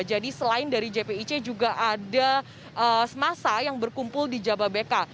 jadi selain dari jpic juga ada masa yang berkumpul di jababeka